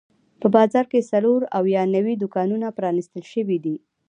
په بازار کې څلور اویا نوي دوکانونه پرانیستل شوي دي.